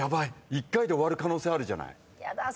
１回で終わる可能性あるじゃない。